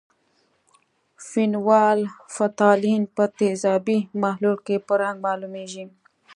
فینول فتالین په تیزابي محلول کې په رنګ معلومیږي.